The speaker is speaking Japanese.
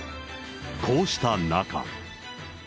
こうした中。